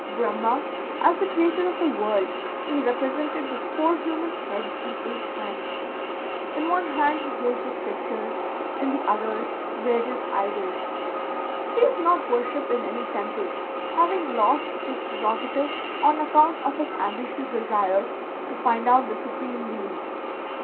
"Brahma, as the creator of the world, is represented with four human heads and eight hands; in one hand he holds the scriptures, in the others, various idols. He is not worshipped in any temple, having lost this prerogative on account of his ambitious desire to find out the Supreme Being.